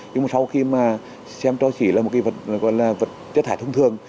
nhưng mà sau khi mà xem cho xỉ là một cái vật gọi là vật chất thải thông thường